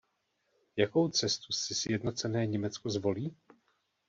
Jakou cestu si sjednocené Německo zvolí?